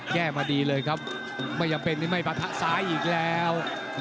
แก้มาดีเลยครับไม่จำเป็นนี่ไม่ปะทะซ้ายอีกแล้ว